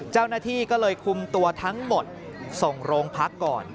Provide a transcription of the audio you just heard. เจ้าหน้าที่ก็เลยคุมตัวทั้งหมดส่งโรงพักก่อน